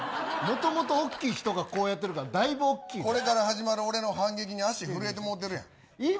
もともと大きい人がこうやってるからこれから始まる俺の反撃に意味あるやん。